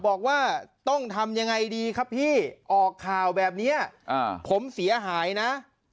บอกว่าต้องทำยังไงดีครับพี่ออกข่าวแบบนี้ผมเสียหายนะ